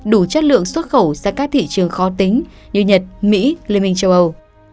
đủ chất lượng xuất khẩu sang các thị trường khó tính như nhật mỹ liên minh châu âu